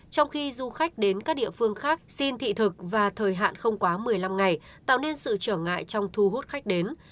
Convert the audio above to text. trong khi du khách đến các địa phương khác xin thị thực và thời hạn không quá một mươi năm ngày tạo nên sự trở ngại trong thu hút khách đến